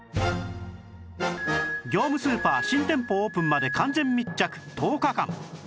業務スーパー新店舗オープンまで完全密着１０日間